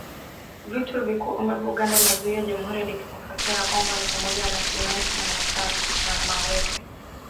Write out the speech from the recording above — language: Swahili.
Vitu vikuu ambavyo Uganda inaiuzia Jamuhuri ya Demokrasia ya Kongo ni pamoja na Simenti na mafuta ya mawese